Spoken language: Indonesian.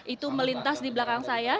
itu melintas di belakang saya